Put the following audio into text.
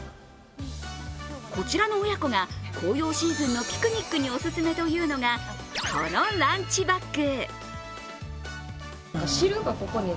こちらの親子が紅葉シーズンのピクニックにオススメというのがこのランチバッグ。